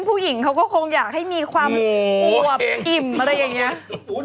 ผู้หญิงเขาก็คงอยากให้มีความอวบอิ่มอะไรอย่างนี้